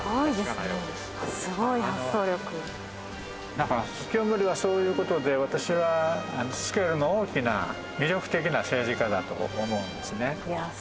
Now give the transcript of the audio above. だから清盛はそういう事で私はスケールの大きな魅力的な政治家だと思うんですね。